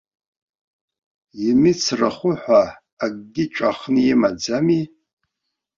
Имиц рхәы ҳәа акагьы ҵәахны имаӡами?